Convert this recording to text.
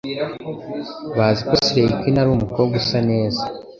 Bazi ko Slay Queen ari umukobwa usa neza